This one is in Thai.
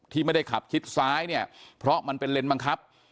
ที่ไม่ได้ขับชิดซ้ายเนี่ยเพราะมันเป็นเลนบังคับ